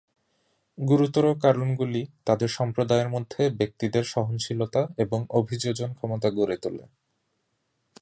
গুরুতর কারণগুলি তাদের সম্প্রদায়ের মধ্যে ব্যক্তিদের সহনশীলতা এবং অভিযোজন ক্ষমতা গড়ে তোলে।